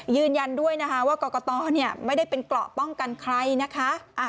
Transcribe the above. ยืนยันด้วยนะคะว่ากรกตไม่ได้เป็นเกราะป้องกันใครนะคะ